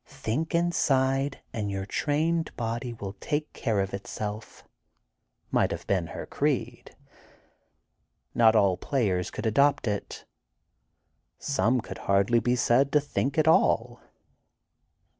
"Think inside and your trained body will take care of itself," might have been her creed. Not all players could adopt it. Some could hardly be said to think at all.